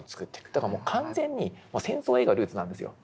だからもう完全に戦争映画がルーツなんですよ。